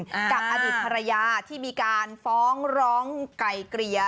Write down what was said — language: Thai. กับอดิตพระยาที่มีการฟ้องร้องไกลเกลีย